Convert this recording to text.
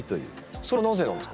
それはなぜなんですか？